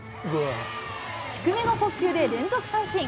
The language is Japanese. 低めの速球で連続三振。